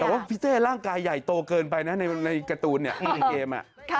แต่ว่าพี่เต้ร่างกายใหญ่โตเกินไปนะในการ์ตูนเนี่ยในเกม